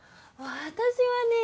私はね